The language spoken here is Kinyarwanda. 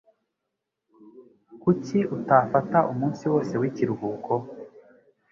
Kuki utafata umunsi wose w'ikiruhuko?